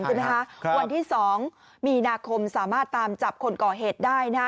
วันที่๒มีนาคมสามารถตามจับคนก่อเหตุได้นะ